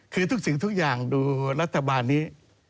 คือทุกสิ่งทุกอย่างดูรัฐบาลนี้